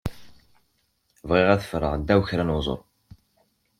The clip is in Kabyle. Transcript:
Bɣiɣ ad ffreɣ ddaw kra n weẓru.